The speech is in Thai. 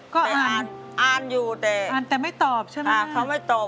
ก็อ่านอ่านอยู่แต่อ่านแต่ไม่ตอบใช่ไหมอ่านเขาไม่ตอบ